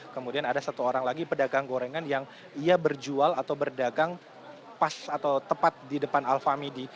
kemudian ada satu orang lagi pedagang gorengan yang ia berjual atau berdagang pas atau tepat di depan alfamedi